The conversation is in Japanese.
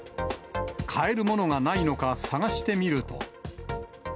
買えるものがないのか探してみると。